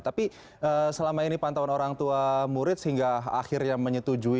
tapi selama ini pantauan orang tua murid sehingga akhirnya menyetujui